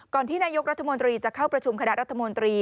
ที่นายกรัฐมนตรีจะเข้าประชุมคณะรัฐมนตรี